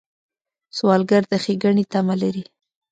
سوالګر د ښېګڼې تمه لري